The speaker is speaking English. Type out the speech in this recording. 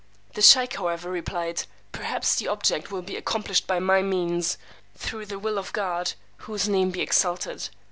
The sheykh however replied, Perhaps the object will be accomplished by my means, through the will of God, whose name be exalted!